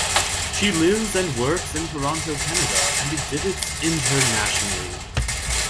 She lives and works in Toronto, Canada and exhibits internationally.